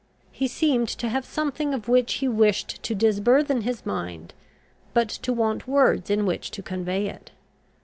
He seemed to have something of which he wished to disburthen his mind, but to want words in which to convey it.